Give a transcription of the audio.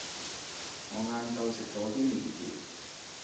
我晏晝食咗啲麵條